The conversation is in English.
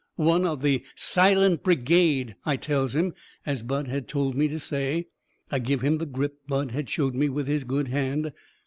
"One of the SILENT BRIGADE," I tells him, as Bud had told me to say. I give him the grip Bud had showed me with his good hand.